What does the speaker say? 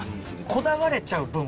こだわれちゃう